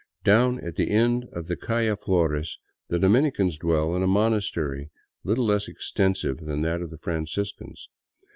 Down at the end of the calle Flores the Dominicans dwell in a monastery little less extensive than that of the Franciscans.